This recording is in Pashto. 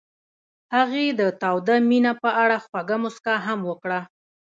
هغې د تاوده مینه په اړه خوږه موسکا هم وکړه.